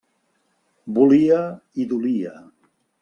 Volia i dolia.